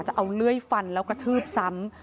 เลื่อยฟันแล้วกระทืบซ้ำ